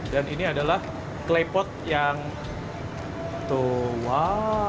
dan ini adalah klepot yang dikocokkan dengan air